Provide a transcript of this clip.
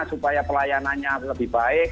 supaya pelayanannya lebih baik